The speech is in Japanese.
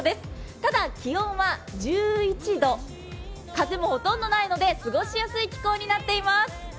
ただ、気温は１１度、風もほとんどないので過ごしやすい気候になっています。